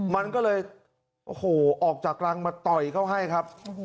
มันก็เลยโอ้โหออกจากรังมาต่อยเขาให้ครับ